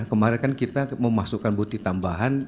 kemarin kan kita memasukkan bukti tambahan